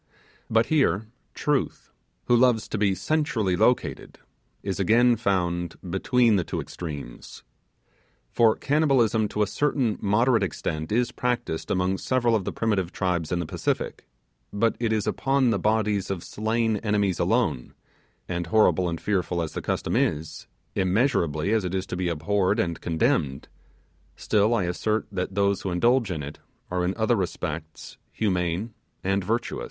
But here, Truth, who loves to be centrally located, is again found between the two extremes; for cannibalism to a certain moderate extent is practised among several of the primitive tribes in the Pacific, but it is upon the bodies of slain enemies alone, and horrible and fearful as the custom is, immeasurably as it is to be abhorred and condemned, still I assert that those who indulge in it are in other respects humane and virtuous.